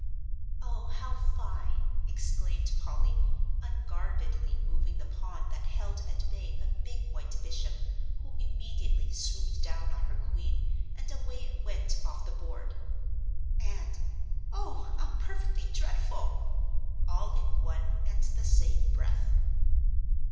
"Oh, how fine!" exclaimed Polly, unguardedly moving the pawn that held at bay a big white bishop, who immediately swooped down on her queen, and away it went off the board; and "oh, how perfectly dreadful!" all in one and the same breath.